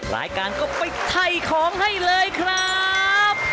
รายการก็ไปถ่ายของให้เลยครับ